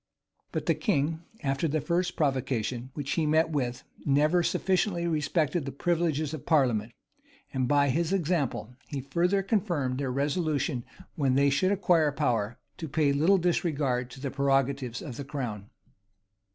[*] But the king, after the first provocation which he met with, never sufficiently respected the privileges of parliament; and, by his example, he further confirmed their resolution, when they should acquire power, to pay like disregard to the prerogatives of the crown.